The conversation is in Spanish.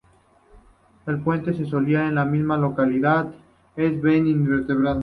El Puente de Solía, en la misma localidad, es un Bien inventariado.